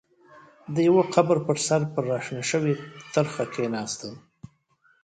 د يوه قبر پر سر پر را شنه شوې ترخه کېناسته.